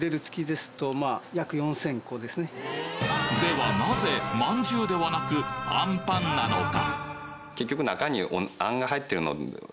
ではなぜまんじゅうではなくアンパンなのか？